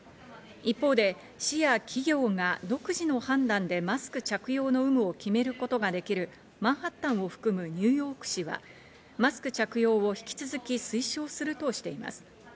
一方で市や企業が独自の判断でマスク着用の有無を決めることができるマンハッタンを含むニューヨーク市は、マスク着用を引き続き推奨するとしています。